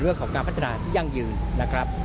เรื่องของการพัฒนาที่ยั่งยืนนะครับ